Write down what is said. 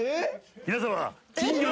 皆様！